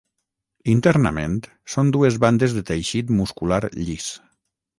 Internament, són dues bandes de teixit muscular llis.